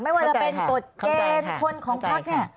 ไม่ว่าจะเป็นกฎเกณฑ์คนของพักเนี่ย